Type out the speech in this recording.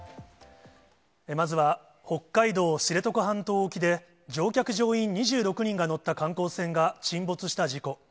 まずは北海道知床半島沖で、乗客・乗員２６人が乗った観光船が沈没した事故。